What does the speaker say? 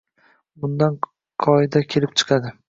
Bundan qoida kelib chiqadi: